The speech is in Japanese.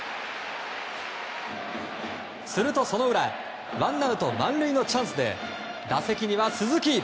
すると、その裏ワンアウト満塁のチャンスで打席には鈴木。